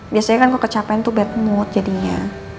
biasanya kan kalau kecapean tuh bad mood jadinya